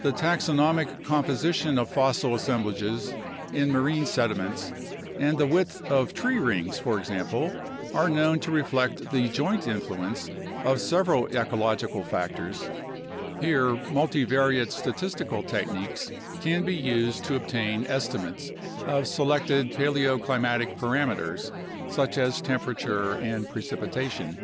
The taxonomic composition of fossil assemblages in marine sediments and the width of tree rings, for example, are known to reflect the joint influence of several ecological factors; here multi variate statistical techniques can be used to obtain estimates of selected paleoclimatic parameters such as temperature and precipitation.